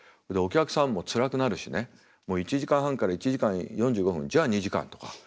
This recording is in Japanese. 「お客さんもつらくなるしねもう１時間半から１時間４５分じゃあ２時間」とか。